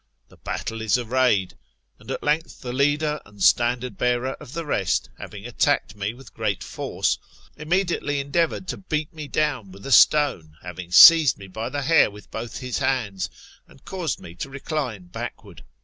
The battle is arrayed. And at length the leader and standard bearer of the rest, having attacked me with great force, immediately endeavoured to beat me down with a stone, having seized me by the hair with both his hands, and caused me to recline backward.